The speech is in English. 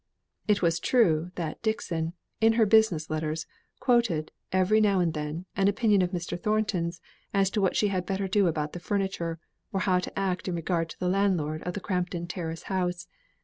It was true, that Dixon, in her business like letters, quoted, every now and then, an opinion of Mr. Thornton's as to what she had better do about the furniture, or how act in regard to the landlord of the Crampton Terrace house.